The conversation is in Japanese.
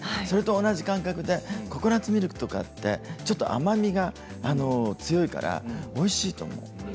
それと同じ感覚でココナツミルクとかってちょっと甘みが強いからおいしいと思う。